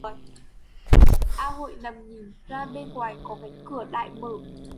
A hội nằm nhìn ra bên ngoài có cánh cửa đại mở